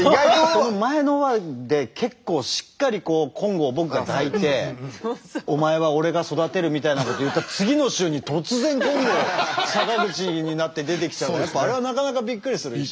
その前の話で結構しっかり金剛を僕が抱いてお前は俺が育てるみたいなことを言った次の週に突然金剛が坂口になって出てきちゃうからあれはなかなかびっくりするね。